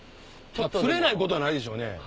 釣れないことはないでしょうね。